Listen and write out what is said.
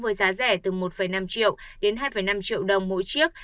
với giá rẻ từ một năm triệu đến hai năm triệu đồng mỗi chiếc